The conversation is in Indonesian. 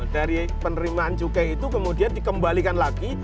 dari penerimaan cukai itu kemudian dikembalikan lagi